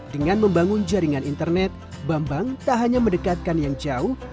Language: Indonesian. dengan membangun jaringan internet bambang tak hanya mendekatkan yang jauh